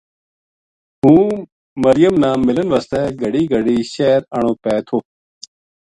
ہوں مریم نا ملن واسطے گھڑی گھڑی شہر آنو پے تھو